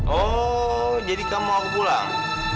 oh jadi kamu aku pulang